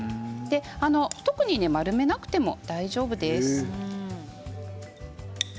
特に丸めなくても、大丈夫です。